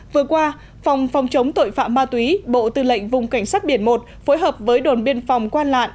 vừa qua phòng phòng chống tội phạm ma túy bộ tư lệnh vùng cảnh sát biển một phối hợp với đồn biên phòng quan lạng